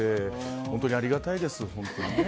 本当にありがたいです。